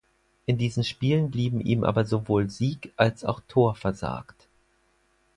In diesen Spielen blieben ihm aber sowohl Sieg als auch Tor versagt.